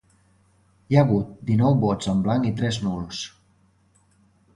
Hi ha hagut dinou vots en blanc i tres nuls.